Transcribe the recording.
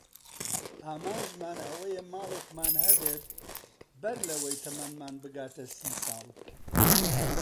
ئامانجمان ئەوەیە ماڵێکمان هەبێت بەر لەوەی تەمەنمان بگاتە سی ساڵ.